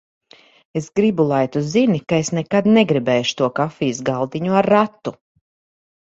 Es gribu, lai tu zini, ka es nekad negribēšu to kafijas galdiņu ar ratu.